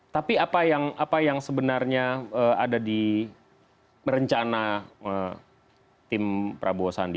tapi apa yang sebenarnya ada di rencana tim prabowo sandi